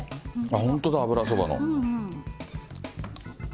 本当だ、油そばの。